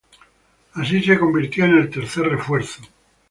Así, se convirtió en el tercer refuerzo.